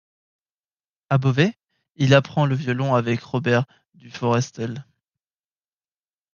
À Beauvais, il apprend le violon avec Robert Duforestel.